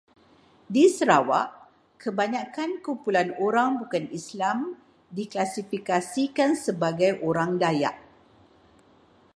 Di Sarawak, kebanyakan kumpulan orang bukan Islam diklasifikasikan sebagai orang Dayak.